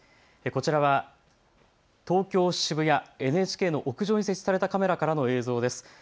こちらは東京渋谷、ＮＨＫの屋上に設置されたカメラからの映像です。